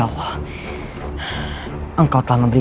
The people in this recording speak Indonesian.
apa yang akan terjadi lagi